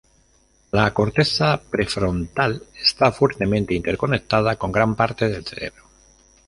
La corteza prefrontal está fuertemente interconectada con gran parte del cerebro.